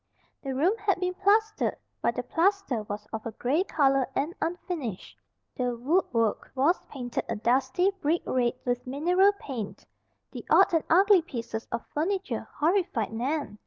The room had been plastered, but the plaster was of a gray color and unfinished. The woodwork was painted a dusty, brick red with mineral paint. The odd and ugly pieces of furniture horrified Nan.